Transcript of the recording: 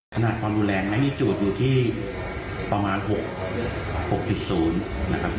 สำหรับความดูแรงไม่มีจุดอยู่ที่ประมาณ๖๐นะครับ